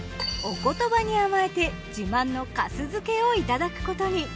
お言葉に甘えて自慢の粕漬けをいただくことに。